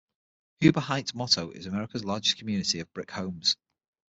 Huber Heights' motto is America's largest community of brick homes.